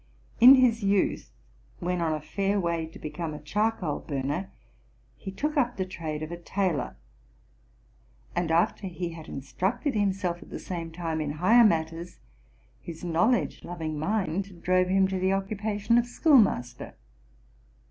In his youth, when on a fair way to become a charcoal burner, he took up the trade of a tailor ; and after he had instructed himself, at the same time, in higher matters, his knowledge loving mind drove him to tlie occupation of schoolmaster.